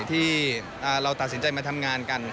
ที่เราตัดสินใจมาทำงานกัน